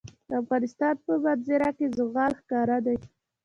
د افغانستان په منظره کې زغال ښکاره ده.